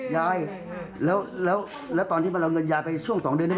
ยายแล้วตอนที่บรรยาเงินฉ่วง๒เดือนนี้